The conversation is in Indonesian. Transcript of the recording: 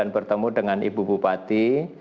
bertemu dengan ibu bupati